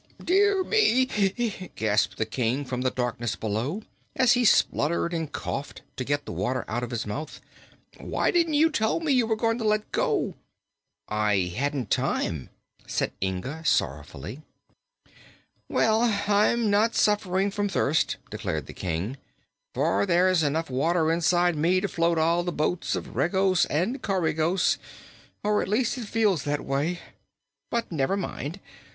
"Dear me!" gasped the King, from the darkness below, as he spluttered and coughed to get the water out of his mouth. "Why didn't you tell me you were going to let go?" "I hadn't time," said Inga, sorrowfully. "Well, I'm not suffering from thirst," declared the King, "for there's enough water inside me to float all the boats of Regos and Coregos or at least it feels that way. But never mind!